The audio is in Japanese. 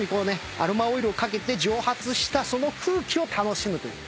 アロマオイルを掛けて蒸発したその空気を楽しむという。